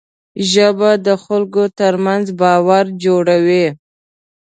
ژبه د خلکو ترمنځ باور جوړوي